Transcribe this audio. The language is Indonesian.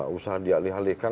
enggak usah dialih alihkan